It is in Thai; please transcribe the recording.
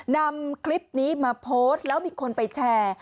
นำคลิปนี้มาโพสต์แล้วมีคนไปแชร์